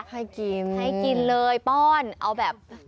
ให้กินให้กินเลยป้อนเอาแบบ